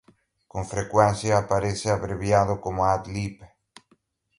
Con frecuencia aparece abreviado como "ad lib".